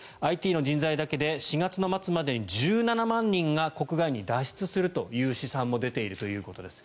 ＩＴの人材だけで４月末までに１７万人が国外に脱出するという試算も出ているということです。